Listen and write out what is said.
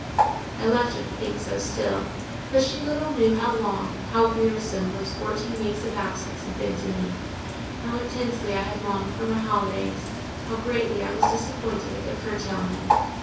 I left her to think so still: but she little knew how long, how wearisome those fourteen weeks of absence had been to me; how intensely I had longed for my holidays, how greatly I was disappointed at their curtailment.